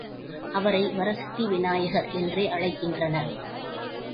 அவரை வரசித்தி விநாயகர் என்றே அழைக்கின்றனர்.